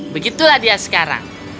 begitulah dia sekarang